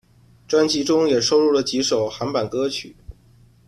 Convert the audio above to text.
专辑中也收录了几首韩版歌曲。